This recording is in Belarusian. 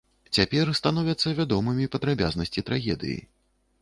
Цяпер становяцца вядомымі падрабязнасці трагедыі.